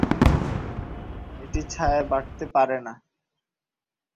এটি ছায়ায় বাড়তে পারে না।